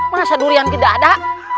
masa durian tidak ada